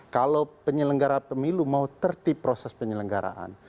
kalau penyelenggara pemilu mau tertip proses penyelenggaraan